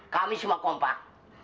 kami semua kompak